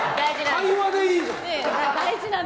会話でいいじゃん。